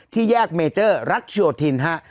แยกเมเจอร์รัชโยธินฮะ